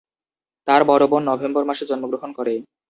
তার বড় বোন নভেম্বর মাসে জন্মগ্রহণ করে।